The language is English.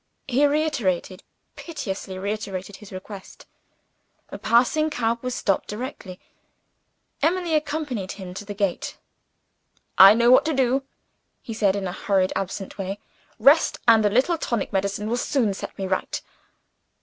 He reiterated, piteously reiterated, his request. A passing cab was stopped directly. Emily accompanied him to the gate. "I know what to do," he said, in a hurried absent way. "Rest and a little tonic medicine will soon set me right."